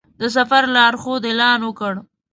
د سفر لارښود اعلان وکړ.